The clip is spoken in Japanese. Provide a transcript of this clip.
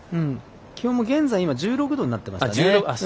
気温も現在１６度になっていましたね。